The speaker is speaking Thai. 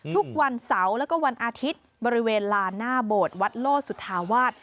ทุกวันเสาร์แล้วก็วันอาทิตย์บริเวณลานหน้าโบสถ์วัดโลสุธาวาส